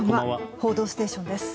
「報道ステーション」です。